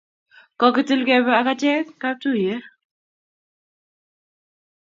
Kokitil kebe ak achek kaptuiye.